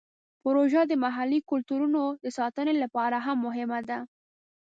پروژه د محلي کلتورونو د ساتنې لپاره هم مهمه ده.